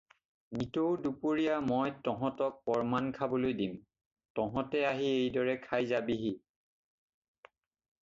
দিনৌ দুপৰীয়া মই তহঁতক পৰমান খাবলৈ দিম, তহঁতে আহি এইদৰে খাই যাবিহি।